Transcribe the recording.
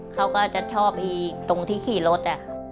เขาก็จะชอบหายจังที่ขี่รถ